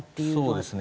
そうですね